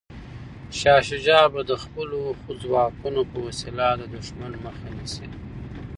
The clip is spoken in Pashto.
شاه شجاع به د خپلو ځواکونو په وسیله د دښمن مخه نیسي.